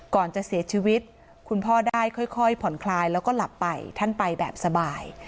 ก่อนจะเสียชีวิตคุณพ่อได้ค่อยผ่อนคลายแล้วก็หลับไปท่านไปแบบสบาย